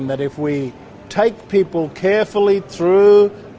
bahwa jika kita mengambil orang orang dengan hati